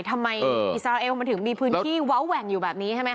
อิสราเอลมันถึงมีพื้นที่เว้าแหว่งอยู่แบบนี้ใช่ไหมค